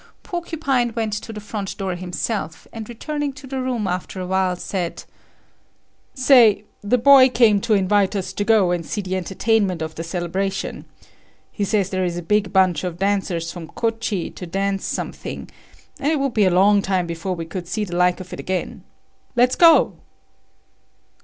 Porcupine went to the front door himself, and returning to the room after a while, said: "Say, the boy came to invite us to go and see the entertainment of the celebration. He says there is a big bunch of dancers from Kochi to dance something, and it would be a long time before we could see the like of it again. Let's go."